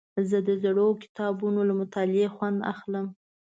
زه د زړو کتابونو له مطالعې خوند اخلم.